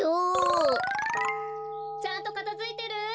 ・ちゃんとかたづいてる？